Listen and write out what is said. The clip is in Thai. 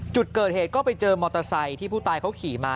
จุดเกิดเหตุก็ไปเจอมอเตอร์ไซค์ที่ผู้ตายเขาขี่มา